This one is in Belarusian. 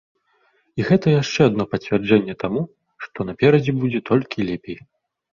І гэта яшчэ адно пацвярджэнне таму, што наперадзе будзе толькі лепей.